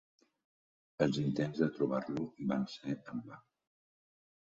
Els intents de trobar-lo van ser en va.